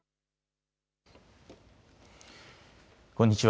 こんにちは。